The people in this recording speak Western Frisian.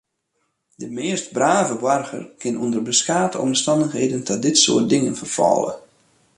De meast brave boarger kin ûnder beskate omstannichheden ta dit soart dingen ferfalle.